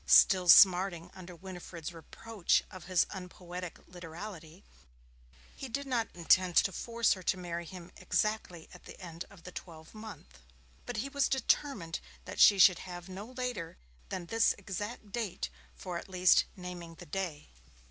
Still smarting under Winifred's reproach of his unpoetic literality, he did not intend to force her to marry him exactly at the end of the twelve month. But he was determined that she should have no later than this exact date for at least 'naming the day'.